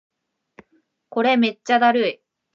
これめっちゃだるい